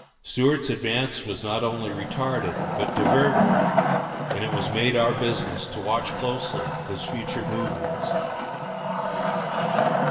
Stuart's advance was not only retarded, but diverted; and it was made our business to watch closely his future movements.